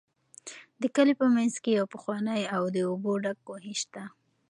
د کلي په منځ کې یو پخوانی او د اوبو ډک کوهی شته.